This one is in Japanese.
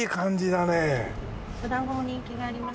おだんごも人気があります。